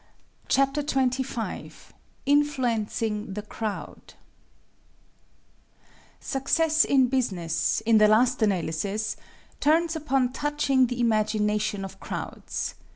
CHAPTER XXV INFLUENCING THE CROWD Success in business, in the last analysis, turns upon touching the imagination of crowds.